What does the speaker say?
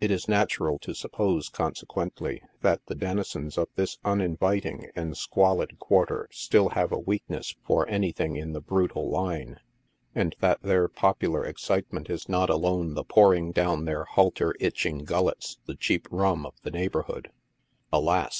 It is natural to suppose, consequently, that the denizens of this uninviting and squalid quarter still have a weakness for anything in the brutal line, and that their popular excitement is not alone the pouring down their halter itching gullets the cheap rum of the neighborhood. Alas